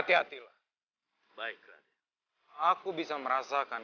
dan berbuat kegaduhan raden